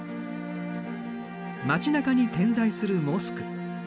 街なかに点在するモスク。